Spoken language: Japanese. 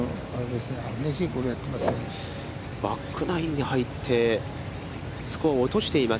バックナインに入って、スコアを落としています。